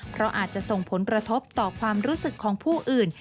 เพราะอาจจะส่งผลกระทบต่อความรู้สึกของผู้อื่น